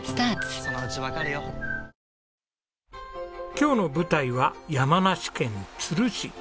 今日の舞台は山梨県都留市。